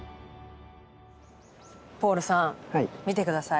ポールさん見て下さい。